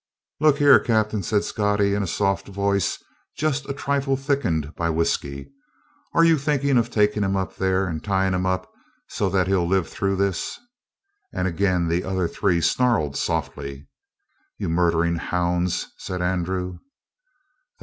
"Look here, captain," said Scottie in a soft voice, just a trifle thickened by whiskey, "are you thinking of taking him up there and tying him up so that he'll live through this?" And again the other three snarled softly. "You murdering hounds!" said Andrew.